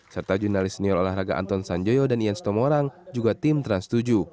serta jurnalis senior olahraga anton sanjoyo dan ians tomorang juga tim trans tujuh